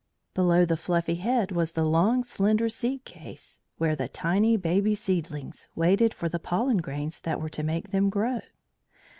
Below the fluffy head was the long, slender seed case, where the tiny baby seedlings waited for the pollen grains that were to make them grow.